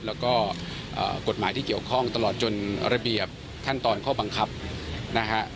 แล้วก็กฎหมายที่เกี่ยวข้องตลอดจนระเบียบขั้นตอนข้อบังคับนะฮะ